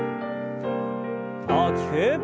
大きく。